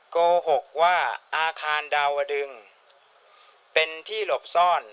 โกหกว่าอาคารดาวดึงเป็นที่หลบซ่อน